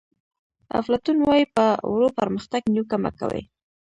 افلاطون وایي په ورو پرمختګ نیوکه مه کوئ.